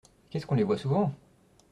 Qu’est-ce qu’on les voit souvent !